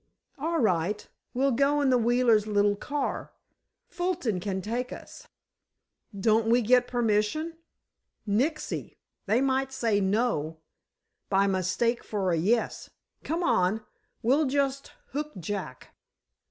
"All right. We'll go in the Wheelers' little car. Fulton will take us." "Don't we get permission?" "Nixy. They might say no, by mistake for a yes. Come on—we'll just hook Jack."